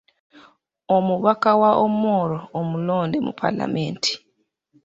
Omubaka wa Omoro omulonde mu Paalamenti.